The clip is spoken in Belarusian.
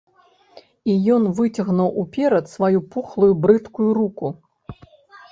І ён выцягнуў уперад сваю пухлую, брыдкую руку.